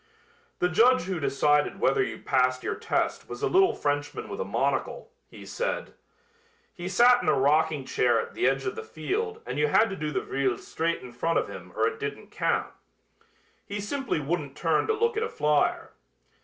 "The judge who decided whether you passed your test was a little Frenchman with a monocle," he said. "He sat in a rocking chair at the edge of the field and you had to do the vrille straight in front of him or it didn't count. He simply wouldn't turn to look at a flyer.